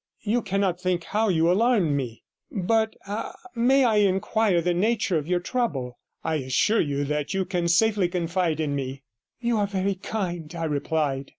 You cannot think how you alarmed me. But may I inquire the nature of your trouble? I assure you that you can safely confide in me.' 'You are very kind,' I replied.